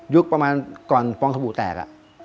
ยุคประมาณก่อนฟองศบุแตก